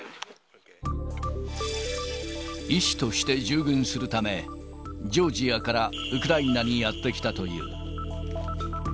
医師として従軍するため、ジョージアからウクライナにやって来たという。